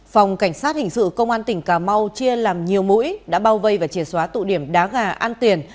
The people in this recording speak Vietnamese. phòng cảnh sát hình sự công an tỉnh cà mau chia làm nhiều mũi đã bao vây và chìa xóa tụ điểm đá gà an tiền